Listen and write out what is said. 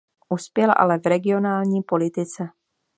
Uspěl ale v regionální politice.